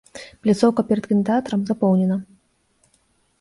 Пляцоўка перад кінатэатрам запоўнена.